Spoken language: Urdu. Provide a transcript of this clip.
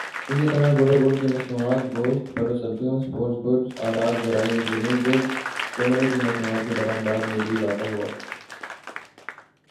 اسی طرح گڑ و گڑ کی مصنوعات گوشت پھل وسبزیوں اسپورٹس گڈز آلات جراحی انجینئرنگ گڈز چمڑے کی مصنوعات کی برآمدات میں بھی اضافہ ہوا